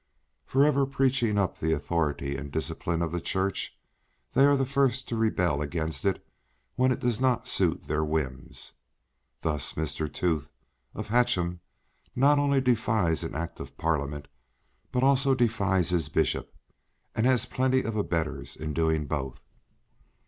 For ever preaching up the authority and discipline of the Church, they are the first to rebel against it when it does not suit their whims. Thus Mr. Tooth, of Hatcham, not only defies an Act of Parliament, but also defies his bishop, and has plenty of abettors in doing both.